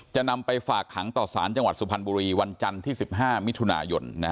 จะนำไปฝากขังต่อสารจังหวัดสุพรรณบุรีวันจันทร์ที่๑๕มิถุนายน